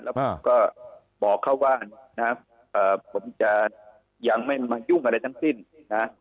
แล้วผมก็บอกเขาว่านะครับผมจะยังไม่มายุ่งอะไรทั้งสิ้นนะ